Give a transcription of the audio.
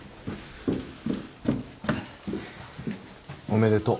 おめでとう。